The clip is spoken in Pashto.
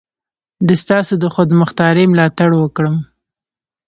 د ستاسو د خودمختاري ملاتړ وکړم.